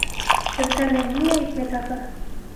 Һеҙгә ни нәмә етмәй тағы?